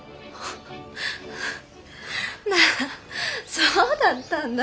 そうだったんだ。